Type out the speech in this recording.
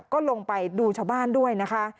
ก็ลงไปดูชาวบ้านด้วยนะคะ